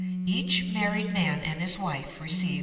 Each married man and his wife receive $2.